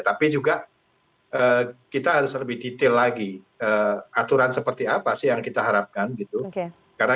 tapi juga kita harus lebih detail lagi aturan seperti apa sih yang kita harapkan gitu